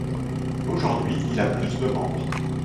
Aujourd'hui, il a plus de membres.